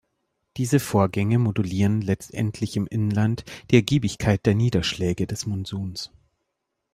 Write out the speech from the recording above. Diese Vorgänge modulieren letztendlich im Inland die Ergiebigkeit der Niederschläge des Monsuns.